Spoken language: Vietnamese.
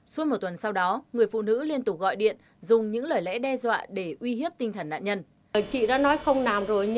suốt một tuần sau đó người phụ nữ liên tục gọi điện dùng những lời lẽ đe dọa để uy hiếp tinh thần nạn nhân